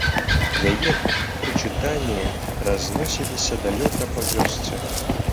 Яе прычытанні разносіліся далёка па вёсцы.